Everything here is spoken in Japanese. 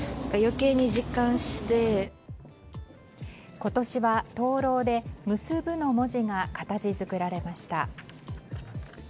今年は灯籠で「むすぶ」の文字が形作られました。